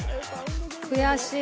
悔しい。